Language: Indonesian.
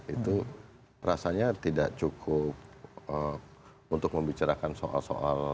itu rasanya tidak cukup untuk membicarakan soal soal